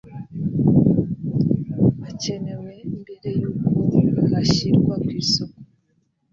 akenewe mbere y uko hashyirwa ku isoko